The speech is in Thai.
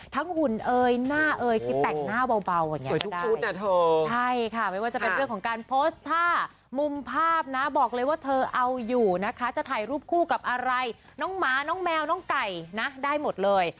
เธอเอาอยู่นะคะจะถ่ายรูปคู่กับอะไรน้องม้าน้องแมวน้องไก่นะได้หมดเลย